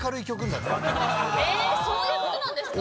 えそういうことなんですか？